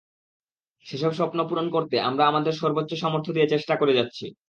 সেসব স্বপ্ন পূরণ করতে আমরা আমাদের সর্বোচ্চ সামর্থ্য দিয়ে চেষ্টা করে যাচ্ছি।